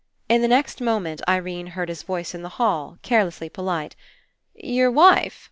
In the next moment Irene heard his voice in the hall, carelessly polite: "Your wife?